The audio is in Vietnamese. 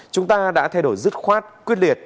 chúng ta đã thay đổi dứt khoát quyết liệt